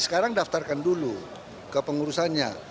sekarang daftarkan dulu ke pengurusannya